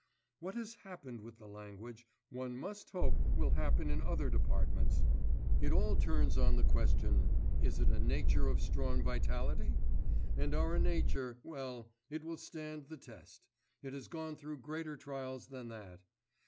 What has happened with the language, one must hope will happen in other departments. It all turns on the question: is it a nature of strong vitality? and our nature well, it will stand the test; it has gone through greater trials than that.